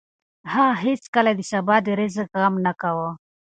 هغه هېڅکله د سبا د رزق غم نه کاوه.